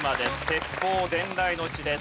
鉄砲伝来の地です。